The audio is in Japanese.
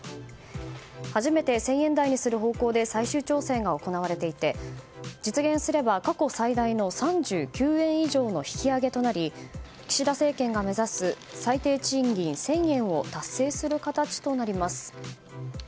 初めて１０００円台にする方向で最終調整が行われていて実現すれば過去最大の３９円以上の引き上げとなり岸田政権が目指す最低賃金１０００円を達成する形となります。